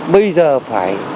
bây giờ phải